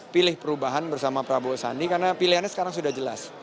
pilih perubahan bersama prabowo sandi karena pilihannya sekarang sudah jelas